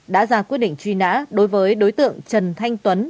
đã ra quyết định truy nã đối với đối tượng trần thanh tuấn